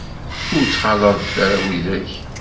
Ur ttxalaḍet ara widak.